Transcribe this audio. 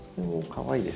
かわいい。